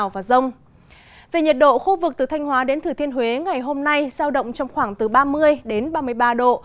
về nhiệt độ khu vực từ thanh hóa đến thừa thiên huế ngày hôm nay sao động trong khoảng từ ba mươi đến ba mươi ba độ